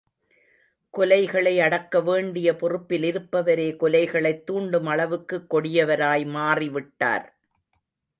கொலைகளை யடக்கவேண்டிய பொறுருப்பிலிருப்பவரே கொலைகளைத் தூண்டுமளவுக்கு கொடியவராய் மாறிவிட்டார்.